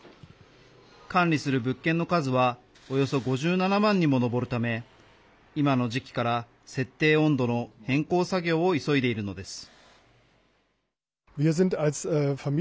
管理する物件の数はおよそ５７万にも上るため今の時期から設定温度の変更作業を急いでいるのです。